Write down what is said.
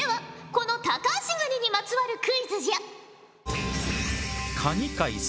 このタカアシガニにまつわるクイズじゃ。